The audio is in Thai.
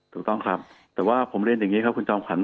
ถูกต้องครับแต่ว่าผมเรียนอย่างนี้ครับคุณจอมขวัญ